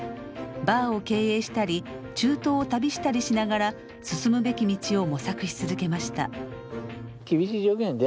バーを経営したり中東を旅したりしながら進むべき道を模索し続けました。